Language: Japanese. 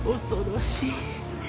恐ろしい。